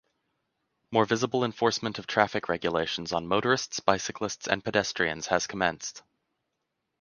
More visible enforcement of traffic regulations on motorists, bicyclists, and pedestrians has commenced.